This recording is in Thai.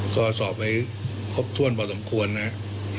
ที่สอบให้คบทวนประจำควรนะครับ